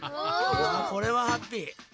これはハッピー。